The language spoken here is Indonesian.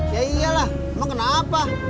ya iyalah emang kenapa